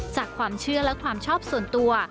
จากความเชื่อและความชอบส่วนตัว